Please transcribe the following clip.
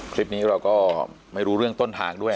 คลิปนี้เราก็ไม่รู้เรื่องต้นทางด้วย